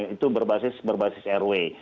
itu berbasis rw